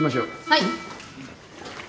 はい。